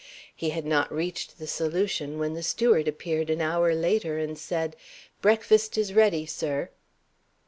He had not reached the solution when the steward appeared an hour later and said, "Breakfast is ready, sir!"